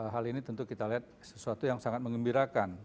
hal ini tentu kita lihat sesuatu yang sangat mengembirakan